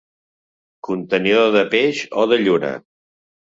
Contenidor de peix o de lluna.